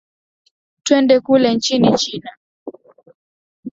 twende kule nchini china